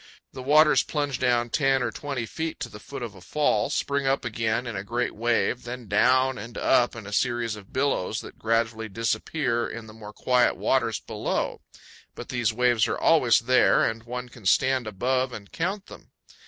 The waters plunge down ten or twenty feet to the foot of a fall, spring up again in a great wave, then down and up in a series of billows that gradually disappear in the more quiet waters below; but these waves are always there, and one can stand above and count them.